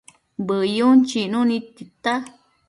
Bëyun chicnu nid tita